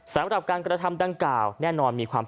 สำหรับการกระทำดังกล่าวแน่นอนมีความ